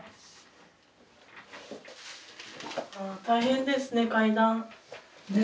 大変ですね階段。ね。